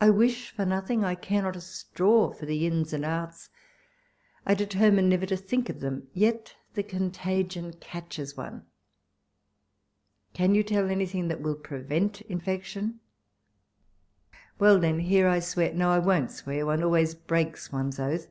I wish for nothing, I care not a straw for the inns or the outs ; I determine never to think of thern, yet the contagion catches one ; can you tell any thing that will prevent infection 1 Well then, here I swear— no, I won't swear, one always breaks one's oath.